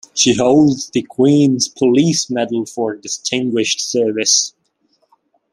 She holds the Queen's Police Medal for distinguished service.